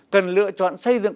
cần lựa chọn xây dựng